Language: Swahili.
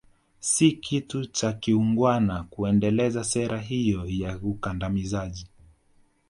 Si kitu cha kiungwana kuendeleza sera hiyo ya ukandamizaji